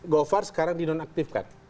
govar sekarang dinonaktifkan